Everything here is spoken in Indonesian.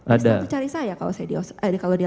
ada dia satu kali cari saya kalau dia